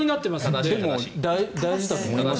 でも、大事だと思います。